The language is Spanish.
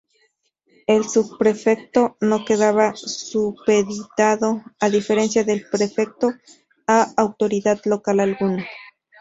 El subprefecto no quedaba supeditado, a diferencia del prefecto, a autoridad local alguna.